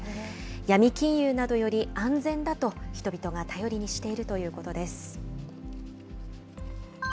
ヤミ金融などより安全だと、人々が頼りにしているということです。